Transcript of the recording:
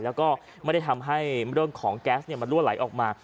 แล้วก็ไม่ได้ทำให้เรื่องของแก๊สมันรั่วไหลออกมา